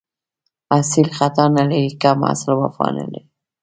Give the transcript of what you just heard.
اصیل خطا نه لري، کم اصل وفا نه لري